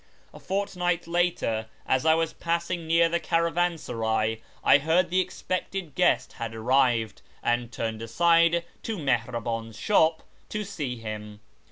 A fortnight later, as I was passing near the caravansaray, I heard that the expected guest had arrived, and turned aside to Mihraban's shop to see him.